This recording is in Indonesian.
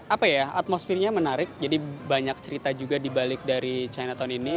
apa ya atmosfernya menarik jadi banyak cerita juga dibalik dari chinatown ini